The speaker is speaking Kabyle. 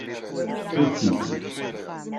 Ttut-iyi.